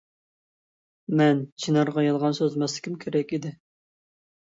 مەن چىنارغا يالغان سۆزلىمەسلىكىم كېرەك ئىدى.